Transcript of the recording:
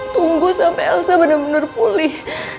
tunggu sampe elsa bener bener pulih